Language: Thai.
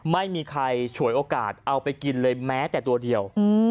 ไม่มีใครฉวยโอกาสเอาไปกินเลยแม้แต่ตัวเดียว